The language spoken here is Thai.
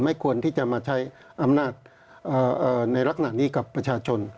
ควรที่จะมาใช้อำนาจในลักษณะนี้กับประชาชน